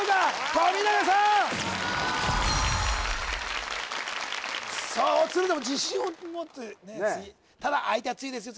富永さんさあ鶴ちゃんも自信を持って次ただ相手は強いですよ